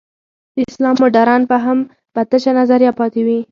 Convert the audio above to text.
د اسلام مډرن فهم به تشه نظریه پاتې وي.